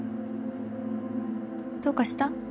どうかした？